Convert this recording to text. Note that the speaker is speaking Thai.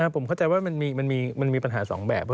ผมเข้าใจว่ามันมีปัญหา๒แบบ